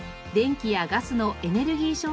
電気やガスのエネルギー